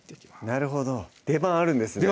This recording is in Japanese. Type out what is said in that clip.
なるほど出番あるんですね